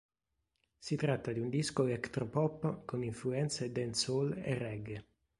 Si tratta di un disco electropop con influenze dancehall e reggae.